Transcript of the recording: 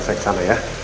saya kesana ya